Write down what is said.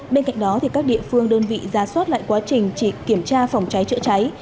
bên cạnh đó các địa phương đơn vị ra soát lại quá trình chỉ kiểm tra phòng cháy chữa cháy